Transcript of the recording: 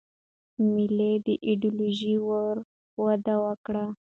ملي ایدیالوژي ورو وده وکړه.